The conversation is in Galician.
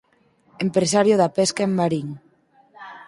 Empresario de pesca en Marín.